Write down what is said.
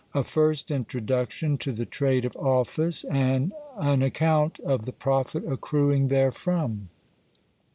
A first introduction to the trade of office, and an account of the profit accruing therefrom.